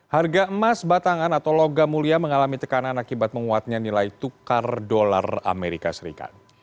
harga emas batangan atau logam mulia mengalami tekanan akibat menguatnya nilai tukar dolar amerika serikat